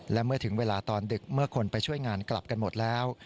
และเมื่อถึงเวลาตอนดึกเมื่อคนไปช่วยงานกลับกันหมดแล้ว